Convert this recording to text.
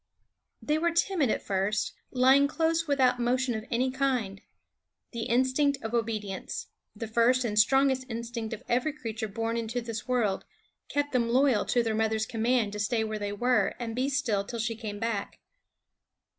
They were timid at first, lying close without motion of any kind. The instinct of obedience the first and strongest instinct of every creature born into this world kept them loyal to the mother's command to stay where they were and be still till she came back.